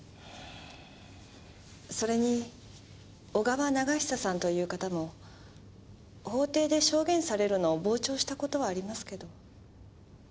それに小川長久さんという方も法廷で証言されるのを傍聴したことはありますけど。